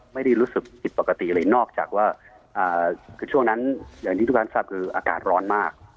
ไม่ได้รู้สึกศิษย์ปกติอะไรนอกจากว่าช่วงนั้นอย่างที่ทุกคนทราบอากาศร้อนมาก